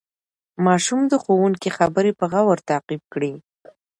ماشوم د ښوونکي خبرې په غور تعقیب کړې